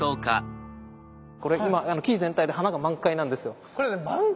これ今木全体で花が満開なんですよ。